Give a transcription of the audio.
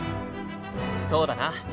そうだな。